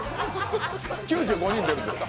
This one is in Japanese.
９５人出るんですか？